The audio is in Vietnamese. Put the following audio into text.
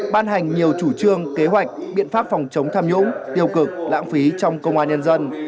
ban hành nhiều chủ trương kế hoạch biện pháp phòng chống tham nhũng tiêu cực lãng phí trong công an nhân dân